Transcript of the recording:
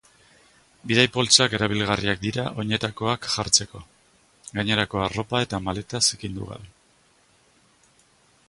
Bidai-poltsak erabilgarriak dira oinetakoak jartzeko, gainerako arropa eta maleta zikindu gabe.